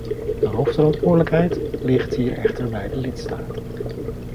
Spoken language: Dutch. De hoofdverantwoordelijkheid ligt hier echter bij de lidstaten.